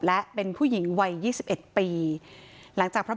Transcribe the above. ท่านผู้ชมครับ